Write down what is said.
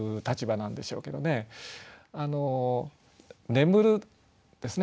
眠るですね